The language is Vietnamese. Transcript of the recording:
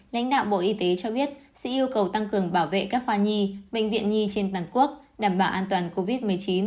lãnh đạo bộ y tế cho biết sẽ yêu cầu tăng cường bảo vệ các khoa nhi bệnh viện nhi trên toàn quốc đảm bảo an toàn covid một mươi chín